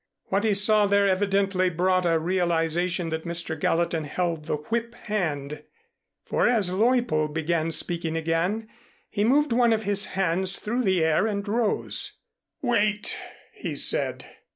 What he saw there evidently brought a realization that Mr. Gallatin held the whip hand; for as Leuppold began speaking again, he moved one of his hands through the air and rose. "Wait!" he said.